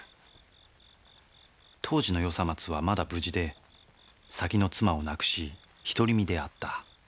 当時の与三松はまだ無事で先の妻を亡くし独り身であった。